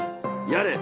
やれ